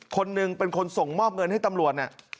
คนหนึ่งเป็นคนส่งมอบเงินให้ตำรวจเนี่ย